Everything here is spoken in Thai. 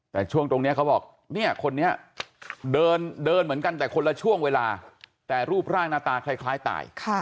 แต่ช่วงตรงนี้เขาบอกเนี่ยคนนี้เดินเหมือนกันแต่คนละช่วงเวลาแต่รูปร่างหน้าตาคล้ายตาย